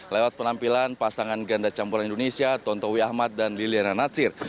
lewat penampilan pasangan ganda campuran indonesia tontowi ahmad dan liliana natsir